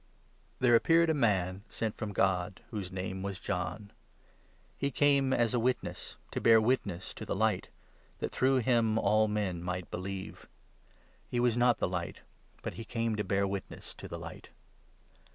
There appeared a man sent from God, whose name was John ; 6 He came as a witness — to bear witness to the Light 7 That through him all men might believe. He was not the Light, 8 But he came to bear witness to the Light.